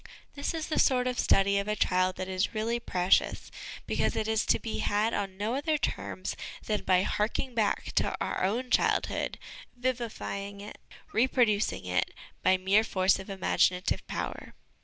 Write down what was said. This is the sort of study of a child that is really precious, because it is to be had on no other terms than by harking back to our own childhood, vivifying it, reproducing it, by mere force of imaginative power.